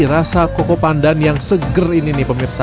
rasa koko pandan yang seger ini nih pemirsa